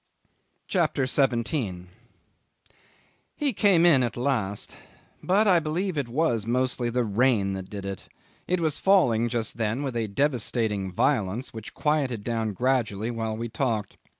CHAPTER 17 'He came in at last; but I believe it was mostly the rain that did it; it was falling just then with a devastating violence which quieted down gradually while we talked.